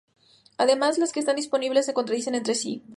Además, los que están disponibles se contradicen entre sí.